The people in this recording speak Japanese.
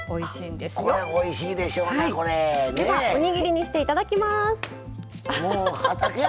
ではおにぎりにしていただきます。